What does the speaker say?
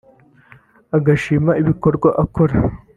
agashima ibikorwa akora